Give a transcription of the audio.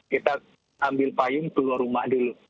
kita ambil payung keluar rumah dulu